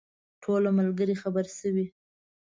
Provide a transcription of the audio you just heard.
ټول ملګري خبر شوي.